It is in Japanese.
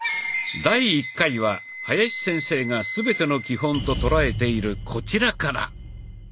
第１回は林先生が全ての基本と捉えているこちらから。